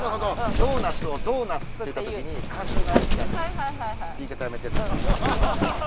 「ドーナツ」を「ドーナッツ」って言うた時に「カシューナッツみたいな言い方やめて」っつってね。